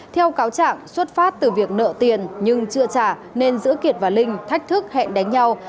theo cáo trạng xuất phát từ việc nợ tiền nhưng chưa trả nên giữa kiệt và linh thách thức hẹn đánh nhau